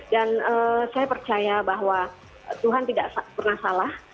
dan saya percaya bahwa tuhan tidak pernah salah